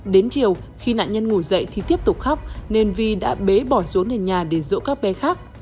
đến chiều khi nạn nhân ngủ dậy thì tiếp tục khóc nên vi đã bế bỏ xuống nhà để dỗ các bé khác